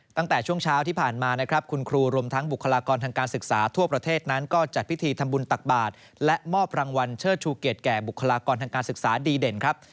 ตั้งแต่ช่วงเช้าที่ผ่านมานะครับคุณครูรวมทั้งบุคลากรทางการศึกษาทั่วประเทศนั้นก็จัดพิธีทำบุญตักบาทและมอบรางวัลเชิดชูเกียรติแก่บุคลากรทางการศึกษาดีเด่นครับ